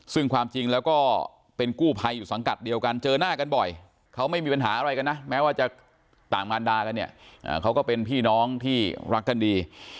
ซึ่งความจริงแล้วก็เป็นกู้ภัยอยู่สังกัดเดียวกันเจอหน้ากันบ่อยเขาไม่มีปัญหาอะไรกันนะแม้ว่าจะต่างมารดากันเนี่ยเขาก็เป็นพี่น้องที่รักกันดี